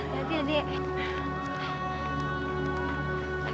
terima kasih adik